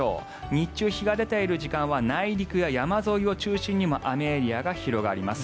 日中、日が出ている時間は内陸や山沿いを中心に雨エリアが広がります。